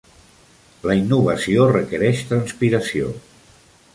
La innovació requereix transpiració.